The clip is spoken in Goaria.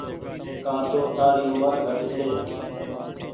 ڪآ تو تآري اومر گھٽ ڇي۔